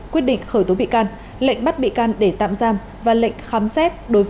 quyết định khởi tố bị can lệnh bắt bị can để tạm giam và lệnh khám xét